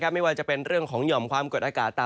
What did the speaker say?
ไม่ว่าจะเป็นเรื่องของหย่อมความกดอากาศต่ำ